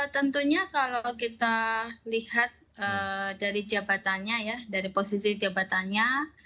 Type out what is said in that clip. tentunya kalau kita lihat dari jabatannya ya dari posisi jabatannya